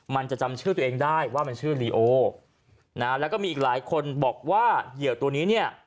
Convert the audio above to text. มันจะจำชื่อตัวเองได้ว่ามันชื่อลีโอนะแล้วก็มีอีกหลายคนบอกว่าเหยื่อตัวนี้เนี่ย